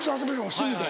趣味で。